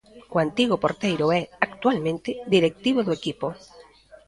O antigo porteiro é, actualmente, directivo do equipo.